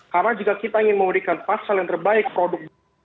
karena jika kita ingin memberikan pasal yang terbaik produk